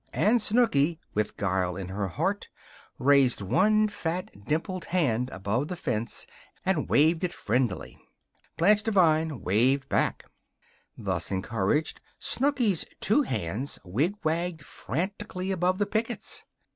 And Snooky, with guile in her heart, raised one fat, dimpled hand above the fence and waved it friendlily. Blanche Devine waved back. Thus encouraged, Snooky's two hands wigwagged frantically above the pickets.